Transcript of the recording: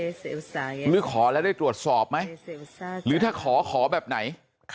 หรือขอแล้วได้ตรวจสอบไหมหรือถ้าขอขอแบบไหน